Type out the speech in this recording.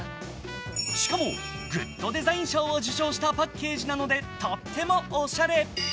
しかも、グッドデザイン賞を受賞したパッケージなので、とってもおしゃれ。